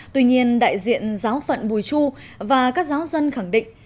tuy nhiên đại diện giáo phận bùi chu và các giáo dân khẳng định